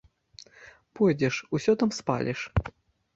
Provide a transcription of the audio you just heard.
Пойдзеш, усё там спаліш.